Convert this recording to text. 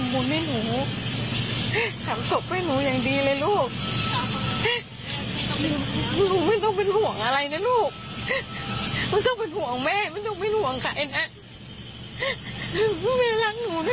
หนูมาอยู่ที่นี่ก่อนนะอยู่ที่โรงเจก่อนนะ